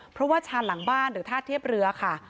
เพราะว่าชานหลังบ้านหรือท่าเทียบเรือค่ะ